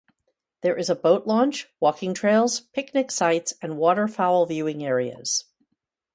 There is a boat launch, walking trails, picnic sites, and waterfowl viewing areas.